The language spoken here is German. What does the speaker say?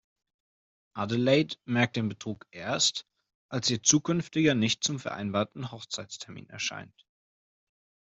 Adelaide merkt den Betrug erst, als ihr Zukünftiger nicht zum vereinbarten Hochzeitstermin erscheint.